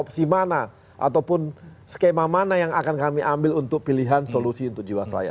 opsi mana ataupun skema mana yang akan kami ambil untuk pilihan solusi untuk jiwasraya